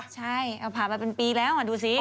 ใช่เอาผ่านมาเป็นปีแล้วดูสิ